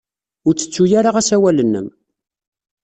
Ur ttettu ara asawal-nnem.